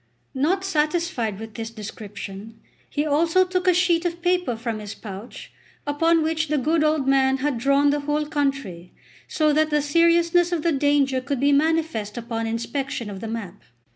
Not satisfied with this description, he also took a sheet of paper from his pouch, upon which the good old man had drawn the whole country, so that the seriousness of the danger could be manifest upon inspection of the map.